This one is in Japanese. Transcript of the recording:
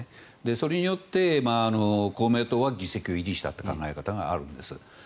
それによって公明党は議席を維持したという考え方があるんです。